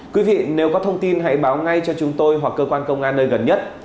quý vị nếu có thông tin hãy báo ngay cho chúng tôi hoặc cơ quan công an nơi gần nhất